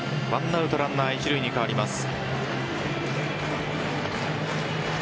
１アウトランナー一塁に変わります。